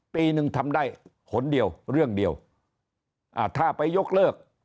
ปีหนึ่งทำได้หนเดียวเรื่องเดียวอ่าถ้าไปยกเลิก